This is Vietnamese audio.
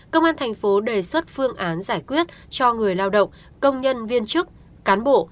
công an tp đề xuất phương án giải quyết cho người lao động công nhân viên chức cán bộ